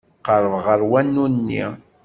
Qerrbeɣ ɣer wanu-nni.